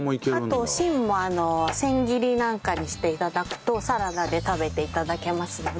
あと芯も千切りなんかにして頂くとサラダで食べて頂けますので。